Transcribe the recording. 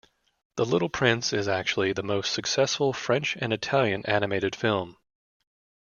"The Little Prince" is actually the most successful French and Italian animated film.